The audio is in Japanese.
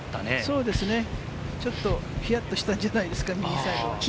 そうですね、ちょっとヒヤッとしたんじゃないですか？